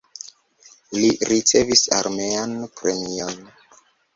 Li ricevis armean premion.